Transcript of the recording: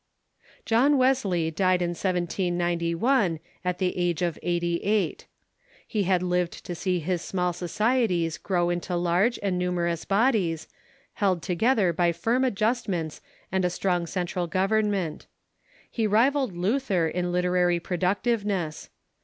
John Wesley died in 1791, at the age of eighty eight. He had lived to see his small societies grow into large and nu merous bodies, held together by firm adjustments vTes'ieJ'Is'Deafh ''^"^^ Strong central government. He rivalled Luther in literary productiveness.